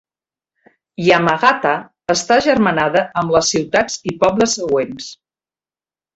Yamagata està agermanada amb les ciutats i pobles següents.